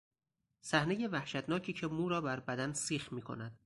صحنهی وحشتناکی که مو را بر بدن سیخ میکند